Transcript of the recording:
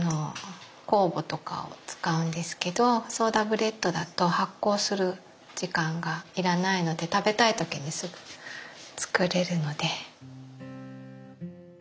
酵母とかを使うんですけどソーダブレッドだと発酵する時間がいらないので食べたい時にすぐ作れるので。